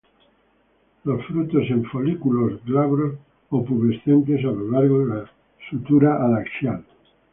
Los frutos en folículos glabros o pubescentes a lo largo de la sutura adaxial.